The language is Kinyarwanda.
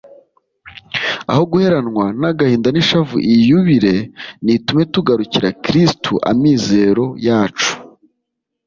aho guheranwa n’agahinda n’ishavu, iyi yubile nitume tugarukira kristu amizero yacu.